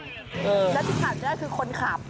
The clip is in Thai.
แล้วที่ถามได้คือคนขาบ